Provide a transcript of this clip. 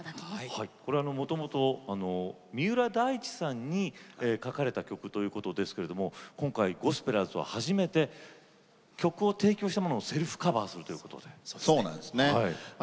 三浦大知さんに書かれた曲ということですが今回ゴスペラーズの皆さん曲を提供したものをセルフカバーされるということなんですよね。